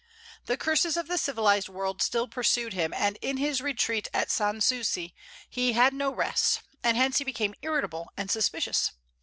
The curses of the civilized world still pursued him, and in his retreat at Sans Souci he had no rest; and hence he became irritable and suspicious.